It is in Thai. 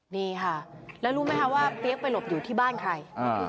นี่ค่ะแล้วรู้ไหมคะว่าเปี๊ยกไปหลบอยู่ที่บ้านใคร